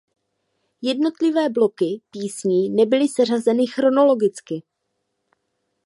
Jednotlivé bloky písní nebyly seřazeny chronologicky.